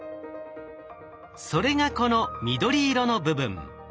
それがこの緑色の部分。